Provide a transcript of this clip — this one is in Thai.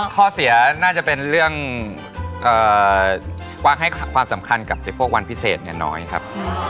ข้อเสียน่าจะเป็นเรื่องให้ความสำคัญกับพวกวันพิเศษน้อยครับ